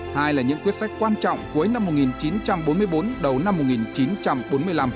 hai là những quyết sách quan trọng cuối năm một nghìn chín trăm bốn mươi bốn đầu năm một nghìn chín trăm bốn mươi năm